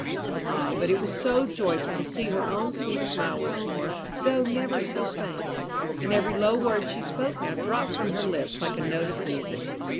Ah, but it was so joyful to see her own sweet smile once more, though never so faint! And every low word she spoke now dropped from her lips like a note of music.